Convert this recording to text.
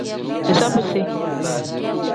Iza bisi.